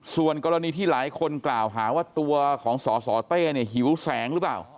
ส่วนกรณีที่หลายคนกล่าวหาว่าตัวของสสเต้เนี่ยหิวแสงหรือเปล่า